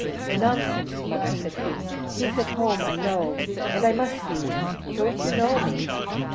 "Nonsense, mother," said he; "he's at home I know, and I must see him. Don't you know me?"